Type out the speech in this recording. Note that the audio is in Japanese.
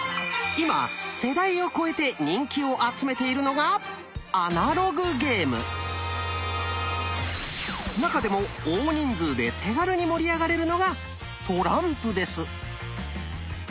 今世代を超えて人気を集めているのが中でも大人数で手軽に盛り上がれるのがトランプです。